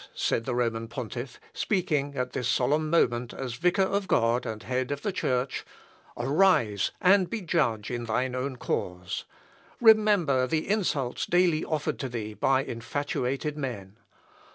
said the Roman pontiff, speaking at this solemn moment as vicar of God and head of the Church, "arise and be judge in thy own cause. Remember the insults daily offered to thee by infatuated men.